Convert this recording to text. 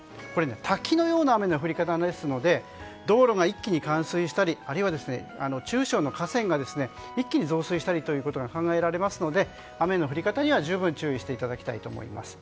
滝のような雨の降り方ですので道路が一気に冠水したり中小の河川が一気に増水したりが考えられるので雨の降り方には十分注意していただきたいと思います。